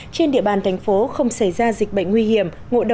trên địa bàn thành phố không xảy ra dịch bệnh nguy hiểm